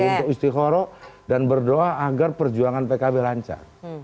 untuk istiqoroh dan berdoa agar perjuangan pkb lancar